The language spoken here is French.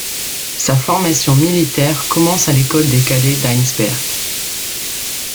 Sa formation militaire commence à l'école des cadets d'Heinsberg.